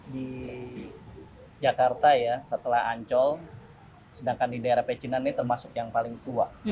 di jakarta ya setelah ancol sedangkan di daerah pecinan ini termasuk yang paling tua